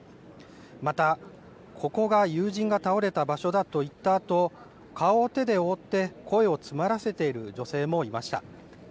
また、ここが友人が倒れた場所だと言ったあと、顔を手で覆って声を詰まらせている女性もいました。